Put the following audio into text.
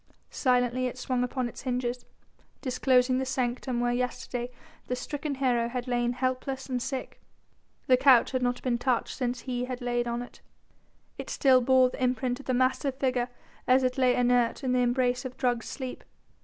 Silently it swung upon its hinges, disclosing the sanctum where yesterday the stricken hero had lain helpless and sick. The couch had not been touched since he had lain on it. It still bore the imprint of the massive figure as it lay inert in the embrace of drugged sleep.